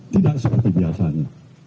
tidak seperti biasanya